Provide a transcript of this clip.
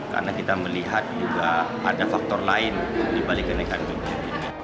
karena kita melihat juga ada faktor lain dibalik kenaikan dunia